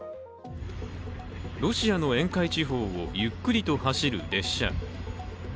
ロシアの沿海地方をゆっくりと走る列車。